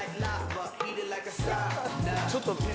ちょっと